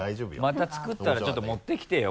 また作ったらちょっと持ってきてよ